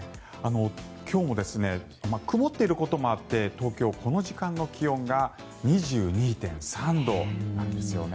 今日も曇っていることもあって東京、この時間の気温が２２．３度なんですよね。